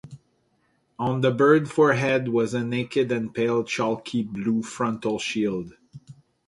On the bird's forehead was a naked and pale chalky-blue frontal shield.